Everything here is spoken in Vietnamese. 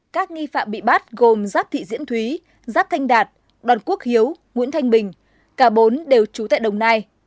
các nghi phạm bị bắt gồm giáp thị diễn thúy giáp thanh đạt đoàn quốc hiếu nguyễn thanh bình cả bốn đều trú tại đồng nai